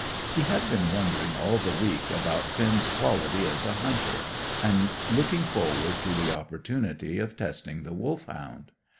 He had been wondering all the week about Finn's quality as a hunter, and looking forward to the opportunity of testing the Wolfhound.